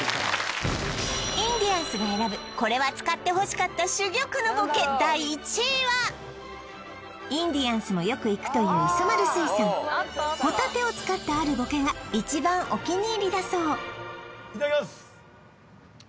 インディアンスが選ぶこれは使ってほしかった珠玉のボケインディアンスもよく行くという磯丸水産ホタテを使ったあるボケが一番お気に入りだそういただきます